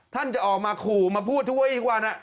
ท่านจะออกมาขู่มาพูดทุกวันอีกวัน